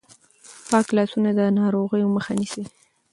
پاک لاسونه د ناروغیو مخه نیسي.